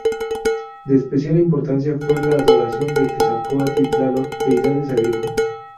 De especial importancia fue la adoración de Quetzalcóatl y Tláloc, deidades agrícolas.